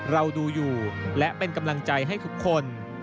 เราดูอยู่และเป็นกำลังใจให้ทุกคน